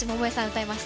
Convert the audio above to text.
歌います。